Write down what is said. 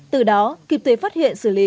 từ đó kịp thuế phát hiện xử lý